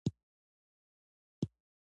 علي شیر ولسوالۍ پوله لري؟